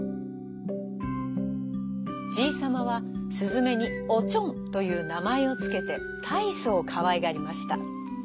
じいさまはすずめに「おちょん」というなまえをつけてたいそうかわいがりました。